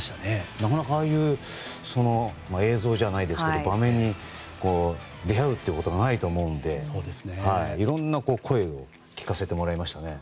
なかなか、ああいう映像じゃないですけど場面に出会うということがないと思うのでいろんな声を聞かせてもらいましたね。